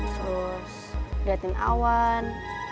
terus liatin awan